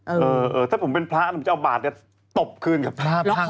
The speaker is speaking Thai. เออถ้าผมเป็นพระจะเอาบาทแล้วตบคืนกับพระ